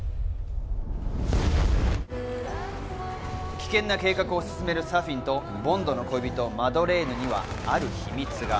危険な計画を進めるサフィンとボンドの恋人マドレーヌにはある秘密が。